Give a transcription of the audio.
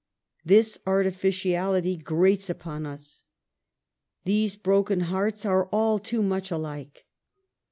This artificiality grates upon us. These broken hearts are all too much alike.